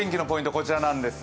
こちらなんです。